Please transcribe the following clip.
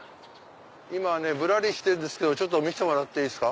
今ぶらりしてんですけど見せてもらっていいですか？